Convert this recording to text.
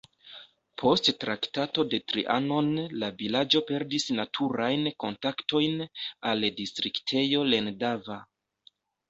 Post Traktato de Trianon la vilaĝo perdis naturajn kontaktojn al distriktejo Lendava.